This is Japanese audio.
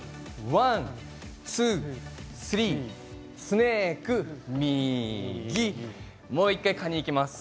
ワン、ツー、スリースネーク右左もう一度カニにいきます。